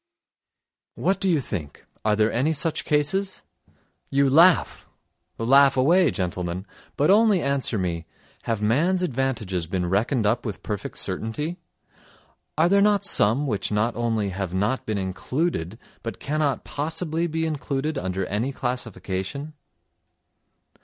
What do you think—are there such cases? You laugh; laugh away, gentlemen, but only answer me: have man's advantages been reckoned up with perfect certainty? Are there not some which not only have not been included but cannot possibly be included under any classification?